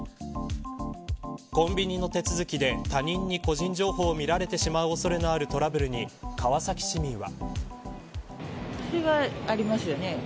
コンビニの手続きで他人に個人情報を見られてしまう恐れのあるトラブルに川崎市民は。